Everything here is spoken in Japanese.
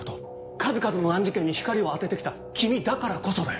数々の難事件に光を当てて来た君だからこそだよ。